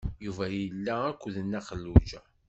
Yuba yella akked Nna Xelluǧa.